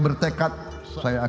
baru ke mas umam nanti